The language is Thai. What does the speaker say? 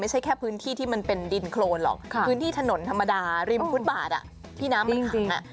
ไม่ใช่แค่พื้นที่ที่มันเป็นดินโครนหรอกพื้นที่ถนนธรรมดาริมฟุตบาทที่น้ำมันขัง